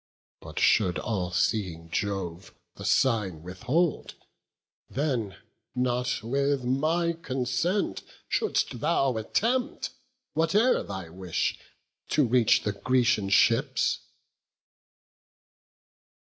But should all seeing Jove the sign withhold, Then not with my consent shouldst thou attempt, Whate'er thy wish, to reach the Grecian ships."